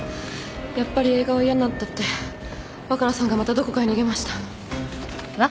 「やっぱり映画は嫌になった」って若菜さんがまたどこかへ逃げました。